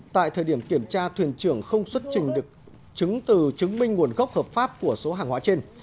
tại thời điểm kiểm tra thuyền trưởng không xuất trình được chứng từ chứng minh nguồn gốc hợp pháp của số hàng hóa trên